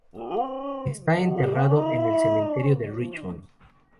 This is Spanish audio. Está enterrado en el cementerio de Richmond.